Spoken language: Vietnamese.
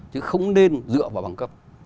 chứ không nên dựa vào bằng cấp